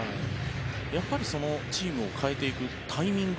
チームを変えていくタイミング